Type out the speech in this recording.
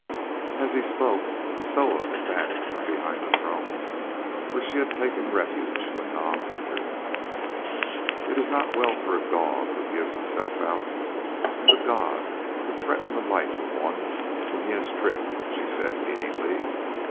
As he spoke Soa advanced from behind the thrones where she had taken refuge when Nam entered. "It is not well for a dog who gives himself out as a god to threaten the life of one whom he has tricked," said she meaningly.